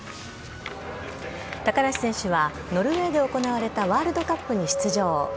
高梨選手はノルウェーで行われたワールドカップに出場。